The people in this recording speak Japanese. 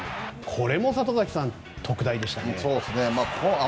これも里崎さん、特大でしたね。